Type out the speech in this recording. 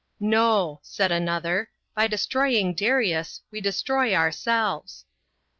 " No," said another ;" by destroying Darius, we destroy ourselves."